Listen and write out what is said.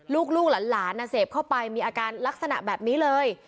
ลูกหลานเสพเข้าไปมีอาการลักษณะแบบนี้เลย